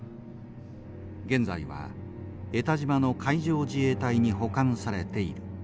現在は江田島の海上自衛隊に保管されている。